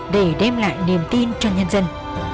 để đem lại niềm tin cho nhân dân